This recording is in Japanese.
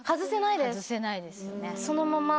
そのまま。